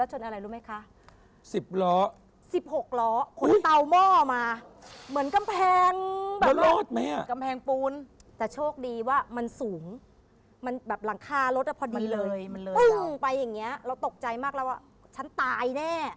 จากนี้ไปอุบัติเหตุแบบนี้จะมีอีกไหมคะ